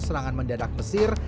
serangan mendadak mesir